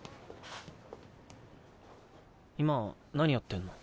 今何やってんの？